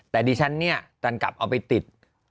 แต่ดิฉันเนี่ยตอนกลับเอาไปติด